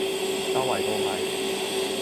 周圍都係